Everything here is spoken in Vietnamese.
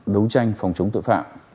đấu tranh phòng chống tội phạm